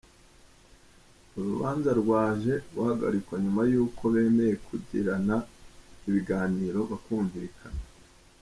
Uru rubanza rwaje guhagarikwa nyuma yuko bemeye kugirana ibiganiro bakumvikana.